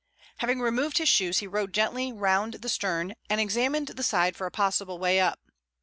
Having removed his shoes he rowed gently round the stern and examined the side for a possible way up.